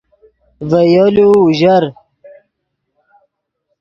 ڤے یولو اوژر